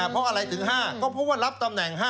เพราะอะไรถึง๕ก็เพราะว่ารับตำแหน่ง๕๐